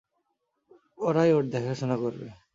ওরাই ওর দেখাশোনা করবে।